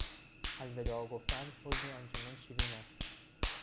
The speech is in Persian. الوداع گفتن حزنی آن چنان شیرین است...